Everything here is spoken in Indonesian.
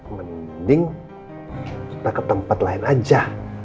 mending kita ke tempat lain aja